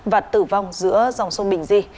và tử vong giữa dòng sông bình di